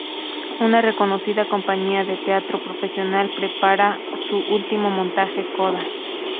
Una reconocida compañía de teatro profesional prepara su último montaje: Coda.